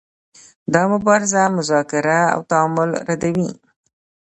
دا مبارزه مذاکره او تعامل ردوي.